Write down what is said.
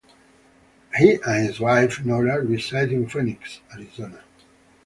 He and his wife, Nora, reside in Phoenix, Arizona.